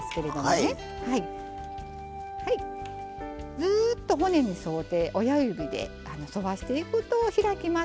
ずっと骨に沿うて親指で沿わしていくと開きます。